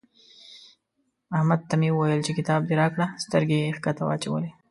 احمد ته مې وويل چې کتاب دې راکړه؛ سترګې يې کښته واچولې.